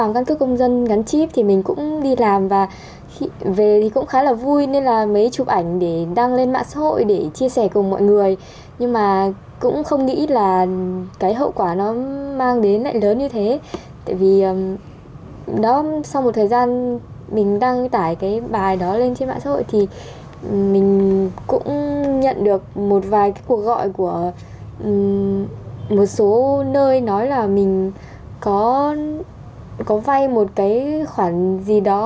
cái cuộc gọi của một số nơi nói là mình có vay một cái khoản gì đó